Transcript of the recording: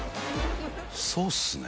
そーっすね？